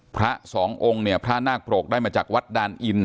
พระสององค์เนี่ยพระนาคปรกได้มาจากวัดดานอิน